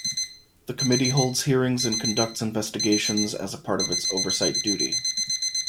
The committee holds hearings and conducts investigations as part of its oversight duty.